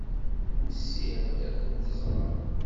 Usiɣ-d ad kent-ẓreɣ.